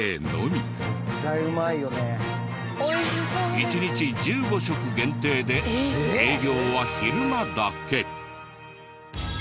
１日１５食限定で営業は昼間だけ。